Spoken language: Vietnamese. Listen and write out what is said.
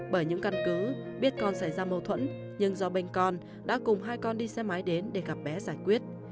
bởi những căn cứ biết con xảy ra mâu thuẫn nhưng do bên con đã cùng hai con đi xe máy đến để gặp bé giải quyết